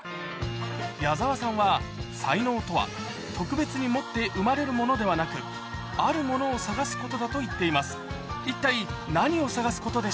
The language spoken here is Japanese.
矢沢さんは才能とは特別に持って生まれるものではなく、あるものを探すことだと言っています。